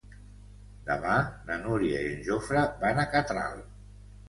Demà na Núria i en Jofre van a Catral.